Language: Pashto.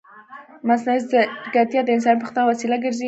مصنوعي ځیرکتیا د انساني پرمختګ وسیله ګرځي.